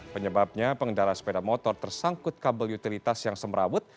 penyebabnya pengendara sepeda motor tersangkut kabel utilitas yang semerawut